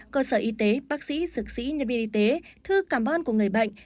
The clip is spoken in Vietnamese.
cơ sở y tế bác sĩ dược sĩ nhân viên y tế thư cảm ơn của người bệnh